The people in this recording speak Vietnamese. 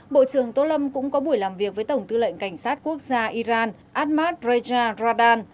bộ trưởng tô lâm cũng có buổi làm việc với tổng tư lệnh cảnh sát quốc gia iran ahmad reja radan